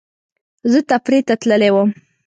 زه تفریح ته تللی وم